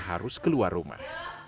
dia harus keluar rumah